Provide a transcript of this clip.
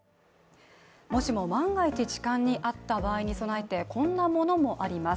もしも万が一痴漢に遭った場合に備えてこんなものもあります。